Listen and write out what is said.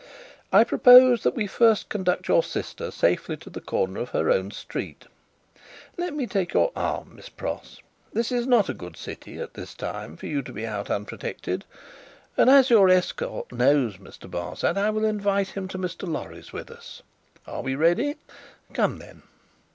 "I propose that we first conduct your sister safely to the corner of her own street. Let me take your arm, Miss Pross. This is not a good city, at this time, for you to be out in, unprotected; and as your escort knows Mr. Barsad, I will invite him to Mr. Lorry's with us. Are we ready? Come then!"